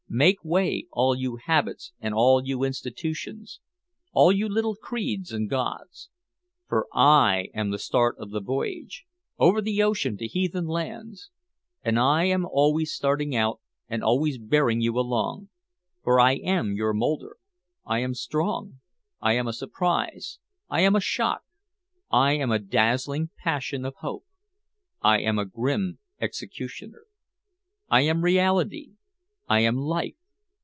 Make way, all you habits and all you institutions, all you little creeds and gods. For I am the start of the voyage over the ocean to heathen lands! And I am always starting out and always bearing you along! For I am your molder, I am strong I am a surprise, I am a shock I am a dazzling passion of hope I am a grim executioner! I am reality I am life!